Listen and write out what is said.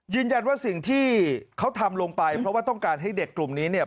สิ่งที่เขาทำลงไปเพราะว่าต้องการให้เด็กกลุ่มนี้เนี่ย